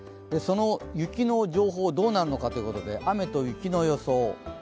その雪の情報どうなるのかということで雨と雪の予想。